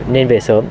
nên về sớm